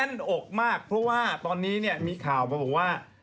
นอกมากเพราะว่าตอนนี้เนี่ยมีข่าวมาบอกว่า